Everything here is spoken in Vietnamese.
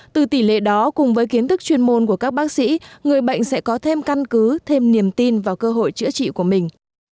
từ tỷ lệ đó cùng với kiến thức chuyên môn của các bác sĩ người bệnh sẽ có thêm căn cứ thêm niềm tin vào cơ hội chữa trị của mình